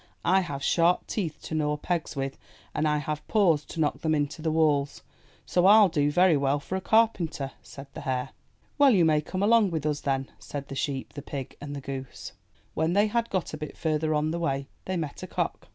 "I have sharp teeth to gnaw pegs with, and I have paws to knock them into the walls; so Til do very well for a carpenter," said the hare. "Well, you may come along with us then,'* said the sheep, the pig, and the goose. When they had got a bit further on the way, they met a cock.